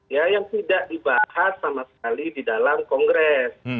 ya yang tidak dibahas sama sekali di dalam kongres